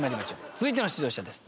続いての出場者です。